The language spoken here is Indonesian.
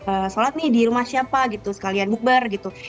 eh sholat nih di rumah siapa gitu sekalian bukbar gitu